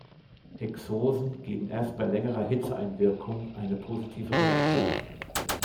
Hexosen geben erst bei längerer Hitzeeinwirkung eine positive Reaktion.